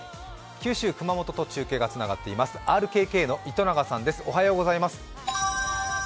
九州・熊本と中継がつながっています、ＲＫＫの糸永さんです。